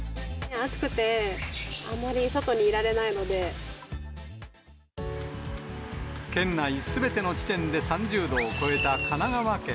暑くて、あまり外にいられな県内すべての地点で３０度を超えた神奈川県。